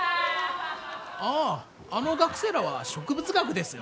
あああの学生らは植物学ですよ。